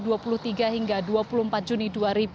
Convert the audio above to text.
dari dua puluh tiga hingga dua puluh empat juni dua ribu delapan belas